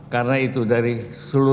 karena itu dari seluruh